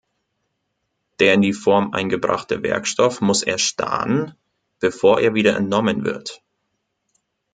Der in die Form eingebrachte Werkstoff muss erstarren, bevor er wieder entnommen wird.